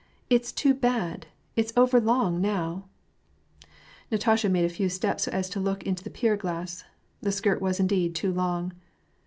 " It's too bad ! it*s over long now !" Natasha made a few steps so as to look into the pier glass. The skirt was indeed too long.